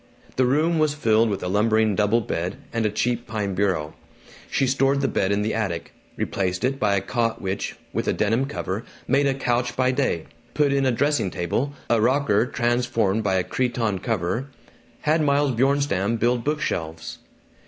The room was filled with a lumbering double bed and a cheap pine bureau. She stored the bed in the attic; replaced it by a cot which, with a denim cover, made a couch by day; put in a dressing table, a rocker transformed by a cretonne cover; had Miles Bjornstam build book shelves.